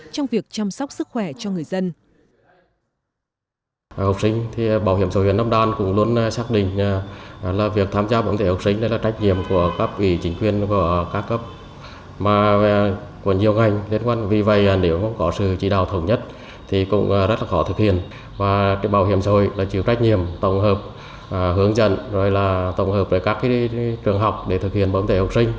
trong việc chăm sóc sức khỏe cho người dân